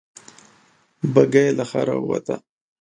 بګۍ له ښاره ووته.